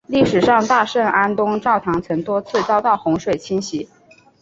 历史上大圣安东教堂曾多次遭到洪水侵袭。